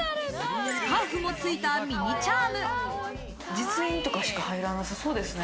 スカーフもついたミニチャーム。